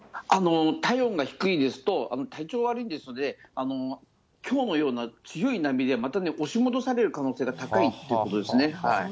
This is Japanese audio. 体温が低いですと、体調悪いですので、きょうのような強い波で、またね、押し戻される可能性が高いということですね。